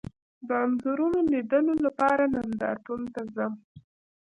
د انځورونو لیدلو لپاره نندارتون ته ځم